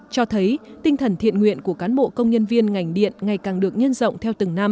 cho thấy tinh thần thiện nguyện của cán bộ công nhân viên ngành điện ngày càng được nhân rộng theo từng năm